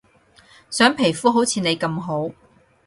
想皮膚好似你咁好